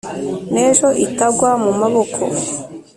N' ejo itagwa mu maboko.